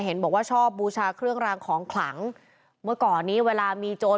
เห็นบอกว่าชอบบูชาเครื่องรางของขลังเมื่อก่อนนี้เวลามีโจร